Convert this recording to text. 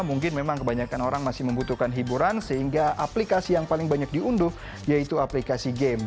mungkin memang kebanyakan orang masih membutuhkan hiburan sehingga aplikasi yang paling banyak diunduh yaitu aplikasi game